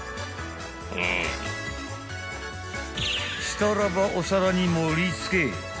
［したらばお皿に盛りつけ］